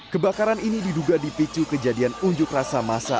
kebakaran ini diduga dipicu kejadian unjuk rasa masa